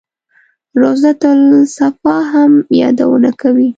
روضته الصفا هم یادونه کوي.